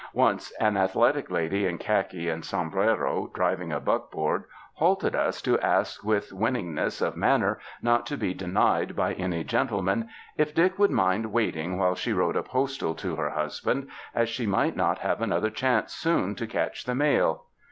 Once an athletic lady in khaki and sombrero, driving a buckboard, halted us to ask with 79 UNDER THE SKY IN CALIFORNIA winningness of manner not to be denied by any gentleman, if Dick would mind waiting while she wrote a postal to her husband, as she might not have another chance soon to catch the mail